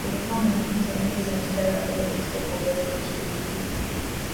Alikuwa mwenyekiti wa Nchi za Mstari wa Mbele katika ukombozi Nchi nyingine